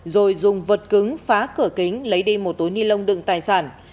rồi dùng vật cứng phá cửa kính lấy đi một túi ni lông đựng tài sản